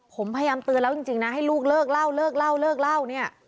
ผมพยายามเตือนแล้วจริงนะให้ลูกเลิกเล่าเลิกเล่าเลิกเล่าเนี่ย